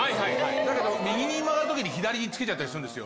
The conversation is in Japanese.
だけど、右に曲がるときに左につけちゃったりするんですよ、